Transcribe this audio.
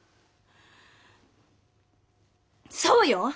そうよ。